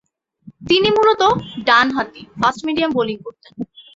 তিনি মূলতঃ ডানহাতি ফাস্ট-মিডিয়াম বোলিং করতেন।